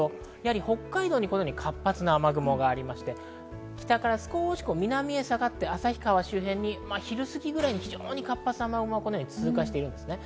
北海道に活発な雨雲があって北から少し南へ下がって旭川周辺に昼すぎぐらいに活発な雨雲が通過しています。